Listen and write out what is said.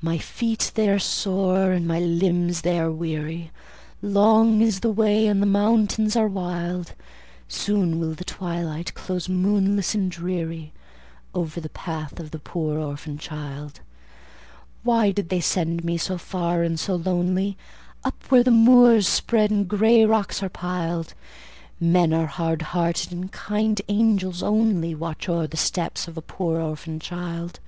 "My feet they are sore, and my limbs they are weary; Long is the way, and the mountains are wild; Soon will the twilight close moonless and dreary Over the path of the poor orphan child. Why did they send me so far and so lonely, Up where the moors spread and grey rocks are piled? Men are hard hearted, and kind angels only Watch o'er the steps of a poor orphan child.